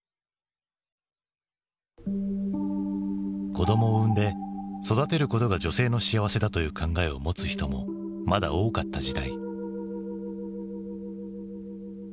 子供を産んで育てることが女性の幸せだという考えを持つ人もまだ多かった時代。